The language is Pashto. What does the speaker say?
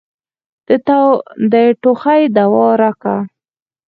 د ټوخي دوا راکه.